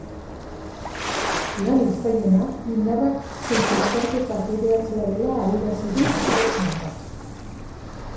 Lanik zailena indarrak zein lasterketa kudeatzea dela adierazi du urretxuarrak.